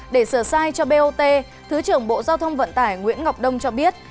để sửa sai cho bot thứ trưởng bộ giao thông vận tải nguyễn ngọc đông cho biết